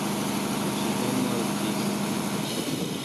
Ĝi ne mortis.